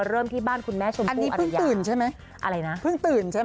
เริ่มที่บ้านคุณแม่ชมผู้อันยาวอันนี้เพิ่งตื่นใช่ไหม